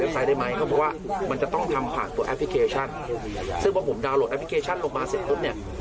ซึ่งเมื่อผมดาวน์โหลดแอปพลิเคชันลงมาเสร็จทุกทุก